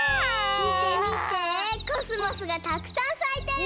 みてみてコスモスがたくさんさいてる！